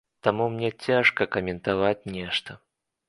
Таму, мне цяжка каментаваць нешта.